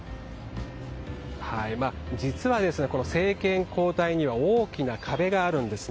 実は、政権交代には大きな壁があるんです。